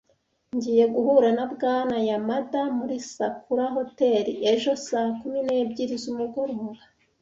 Ngiye guhura na Bwana Yamada muri Sakura Hotel ejo saa kumi n'ebyiri z'umugoroba